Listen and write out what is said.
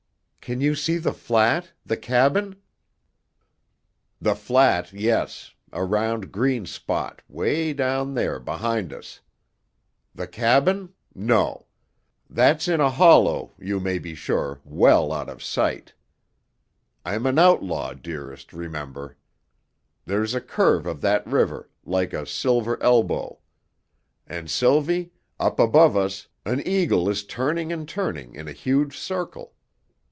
"Can you see the flat, the cabin?" "The flat, yes a round green spot, way down there behind us. The cabin? No. That's in a hollow, you may be sure, well out of sight. I'm an outlaw, dearest, remember. There's a curve of the river, like a silver elbow. And Sylvie, up above us, an eagle is turning and turning in a huge circle.